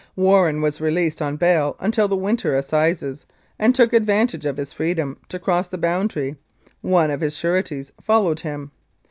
Warren was released on bail until the winter assizes, and took advantage of his freedom to cross the boundary; one of his sureties followed him.